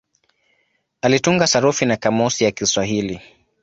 Alitunga sarufi na kamusi ya Kiswahili.